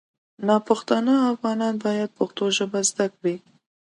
ناپښتانه افغانان باید پښتو ژبه زده کړي